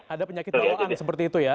ada penyakit bawaan seperti itu ya